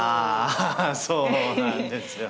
あそうなんですよ。